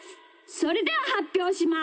それでははっぴょうします。